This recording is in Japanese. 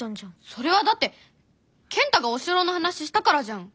それはだって健太がお城の話したからじゃん！